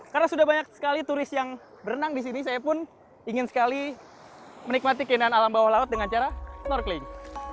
karena sudah banyak sekali turis yang berenang di sini saya pun ingin sekali menikmati keindahan alam bawah laut dengan cara snorkeling